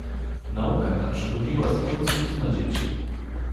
"Nauka ta przechodziła z ojców na dzieci."